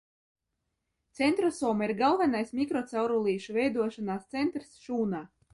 Centrosoma ir galvenais mikrocaurulīšu veidošanās centrs šūnā.